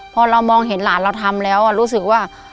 พอเรามองเห็นหลานเราทำแล้วรู้สึกว่า